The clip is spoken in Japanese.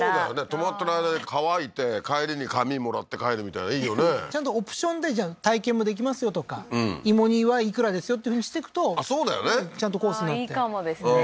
泊まってる間に乾いて帰りに紙もらって帰るみたいないいよねちゃんとオプションでじゃあ体験もできますよとか芋煮はいくらですよっていうふうにしていくとそうだよねちゃんとコースになっていいかもですね